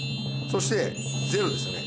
そしてゼロですよね